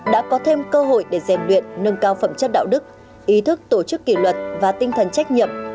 đã có thêm cơ hội để rèn luyện nâng cao phẩm chất đạo đức ý thức tổ chức kỷ luật và tinh thần trách nhiệm